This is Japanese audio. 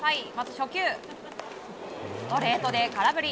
初球、ストレートで空振り。